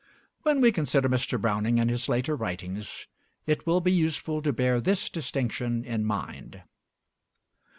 When we consider Mr. Browning in his later writings, it will be useful to bear this distinction in mind.